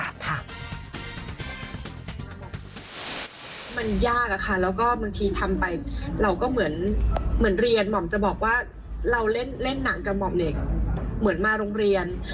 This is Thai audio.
มันยากอะค่ะแล้วก็บางทีทำไปเราก็เหมือนเรียนหม่อมจะบอกว่าเราเล่นหนังกับหม่อมเด็กเหมือนมาโรงเรียน